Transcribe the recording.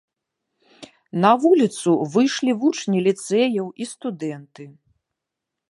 На вуліцу выйшлі вучні ліцэяў і студэнты.